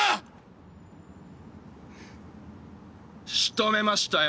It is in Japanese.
仕留めましたよ